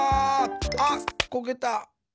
あっこけた。